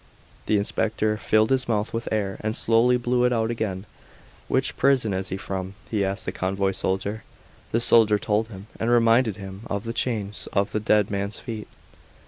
The inspector filled his mouth with air and slowly blew it out again. "Which prison is he from?" he asked the convoy soldier. The soldier told him, and reminded him of the chains on the dead man's feet.